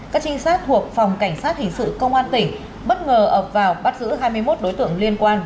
các trinh sát thuộc phòng cảnh sát hình sự công an tỉnh bất ngờ ập vào bắt giữ hai mươi một đối tượng liên quan